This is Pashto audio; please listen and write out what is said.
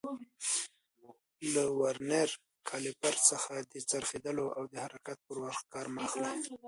له ورنیر کالیپر څخه د څرخېدلو او حرکت پر وخت کار مه اخلئ.